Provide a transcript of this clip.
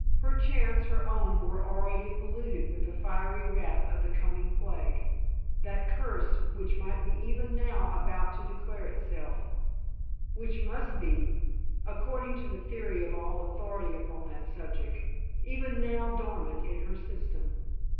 Perchance her own were already polluted with the fiery wrath of the coming plague, that curse which might be even now about to declare itself, which must be, according to the theory of all authority upon that subject, even now dormant in her system.